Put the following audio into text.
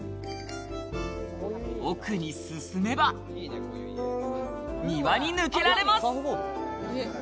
奥に進めば、庭に抜けられます。